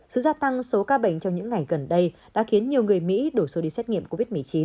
sự gia tăng số ca bệnh trong những ngày gần đây đã khiến nhiều người mỹ đổ xô đi xét nghiệm covid một mươi chín